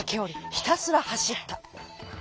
ひたすらはしった。